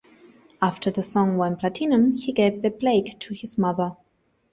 After the song went platinum he gave the plaque to his mother.